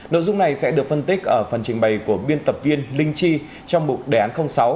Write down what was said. nội dung này sẽ được phân tích ở phần trình bày của biên tập viên linh chi trong mục đề án sáu